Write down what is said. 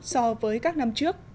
so với các năm trước